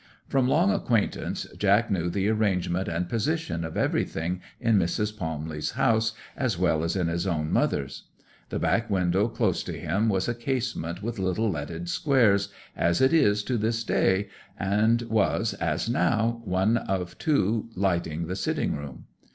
From long acquaintance Jack knew the arrangement and position of everything in Mrs. Palmley's house as well as in his own mother's. The back window close to him was a casement with little leaded squares, as it is to this day, and was, as now, one of two lighting the sitting room.